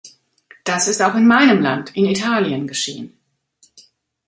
Das ist auch in meinem Land, in Italien geschehen.